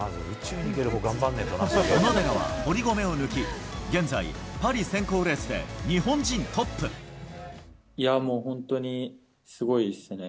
小野寺は堀米を抜き、現在、いやーもう、本当にすごいっすね。